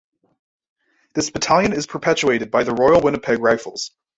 This battalion is perpetuated by the Royal Winnipeg Rifles.